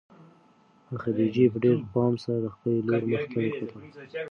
خدیجې په ډېر پام سره د خپلې لور مخ ته وکتل.